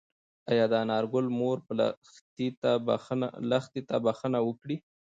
ايا د انارګل مور به لښتې ته بښنه وکړي؟